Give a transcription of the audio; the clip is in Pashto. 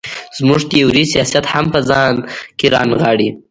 زموږ تیوري سیاست هم په ځان کې را نغاړي.